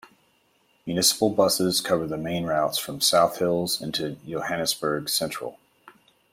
Municipal buses cover the main routes from South Hills into Johannesburg Central.